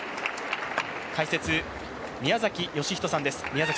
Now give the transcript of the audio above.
解説・宮崎義仁さんです。